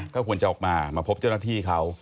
ก็ควรจะออกมามาพบเจ้าหน้าที่เขา